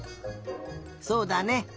そうだね。